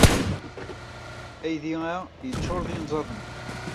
Aydi-a yeččuṛ d inẓaden.